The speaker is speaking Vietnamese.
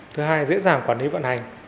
thứ hai dễ dàng quản lý vận hành